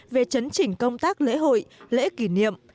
về chấn chỉnh công tác lễ hội lễ kỷ niệm